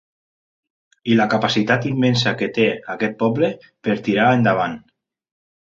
I la capacitat immensa que té aquest poble per a tirar endavant.